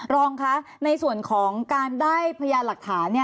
รองคะในส่วนของการได้พยานหลักฐาน